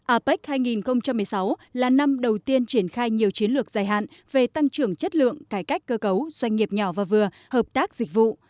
apec hai nghìn một mươi sáu là năm đầu tiên triển khai nhiều chiến lược dài hạn về tăng trưởng chất lượng cải cách cơ cấu doanh nghiệp nhỏ và vừa hợp tác dịch vụ